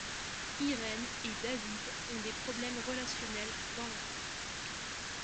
Irène et David ont des problèmes relationnels dans leur couple.